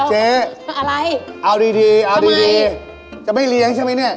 เจ๊อะไรเอาดีดีเอาดีดีจะไม่เลี้ยงใช่ไหมเนี่ย